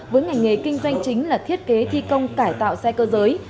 với ngành nghề kinh doanh chính là thiết kế thi công cải tạo xe cơ giới